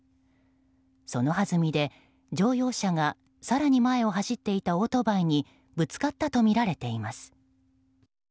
そのはずみで乗用車が更に前を走っていたオートバイにぶつかったとみられています。